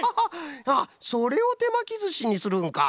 あっそれをてまきずしにするんか。